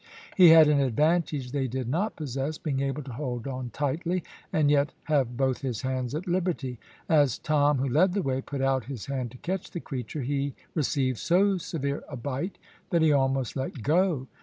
He had an advantage they did not possess, being able to hold on tightly, and yet have both his hands at liberty. As Tom, who led the way, put out his hand to catch the creature, he received so severe a bite that he almost let go.